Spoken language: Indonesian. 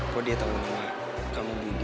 kok dia tahu nama kamu gigi